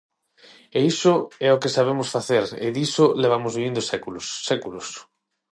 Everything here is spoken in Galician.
E iso é o que sabemos facer e diso levamos vivindo séculos, séculos.